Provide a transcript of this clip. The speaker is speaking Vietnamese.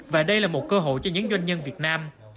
và đây là một cơ hội cho những doanh nhân việt nam